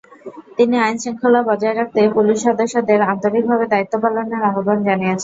তিনি আইনশৃঙ্খলা বজায় রাখতে পুলিশ সদস্যদের আন্তরিকভাবে দায়িত্ব পালনের আহ্বান জানিয়েছেন।